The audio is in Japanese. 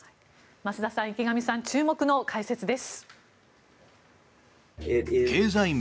増田さん、池上さん注目の解説です。